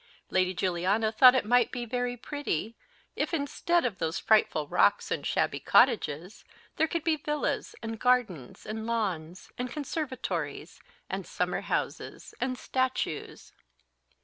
Lady Juliana thought it might be very pretty, if, instead of those frightful rocks and shabby cottages, there could be villas, and gardens, and lawns, and conservatories, and summer houses, and statues.